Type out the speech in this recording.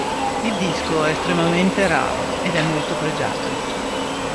Il disco è estremamente raro, ed è molto pregiato.